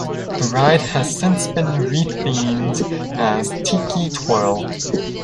The ride has since been rethemed as Tiki Twirl.